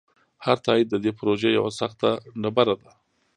هر تایید د دې پروژې یوه سخته ډبره ده.